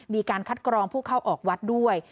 มีการคัดกรองผู้เข้าออกวัดด้วย